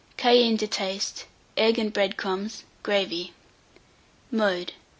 417, cayenne to taste, egg and bread crumbs, gravy. Mode.